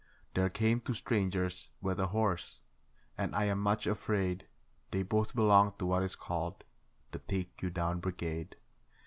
There came two strangers with a horse, and I am much afraid They both belonged to what is called 'the take you down brigade'.